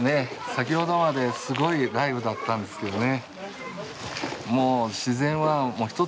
先ほどまですごい雷雨だったんですけどね。